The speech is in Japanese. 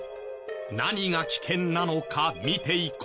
何が危険なのか見ていこう。